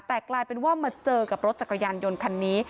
แต่กลายเป็นว่ามาเจอกับรถจักรยานยนต์คันนี้